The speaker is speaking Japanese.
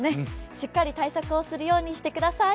しっかり対策をするようにしてください。